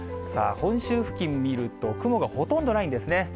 本州付近見ると、雲がほとんどないんですね。